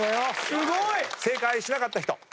すごい！正解しなかった人？